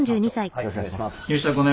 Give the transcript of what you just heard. よろしくお願いします。